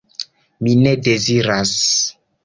Mi ne deziras!